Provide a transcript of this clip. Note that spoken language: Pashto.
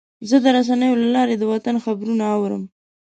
زه د رسنیو له لارې د وطن خبرونه اورم.